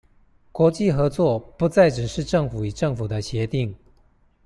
國際合作不再只是政府與政府的協定